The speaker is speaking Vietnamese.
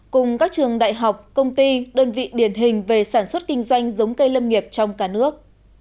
cùng các trường đại học công ty đơn vị điển hình về sản xuất kinh doanh giống cây lâm nghiệp trong cả nước